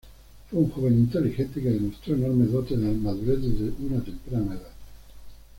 Fue un joven inteligente que demostró enormes dotes de madurez desde una temprana edad.